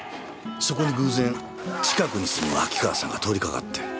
そこに偶然近くに住む秋川さんが通りかかって。